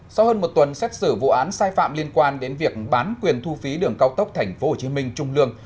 sau hơn một tuần xét xử vụ án sai phạm liên quan đến việc bán quyền thu phí đường cao tốc tp hcm trung lương